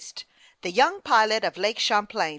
THE YOUNG PILOT OF LAKE CIIAMPLAIN.